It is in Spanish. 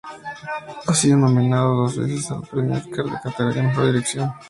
Ha sido nominado dos veces al premio Oscar en la categoría Mejor dirección.